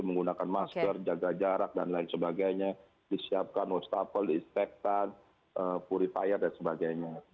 menggunakan masker jaga jarak dan lain sebagainya disiapkan wastafel dispektan purifier dan sebagainya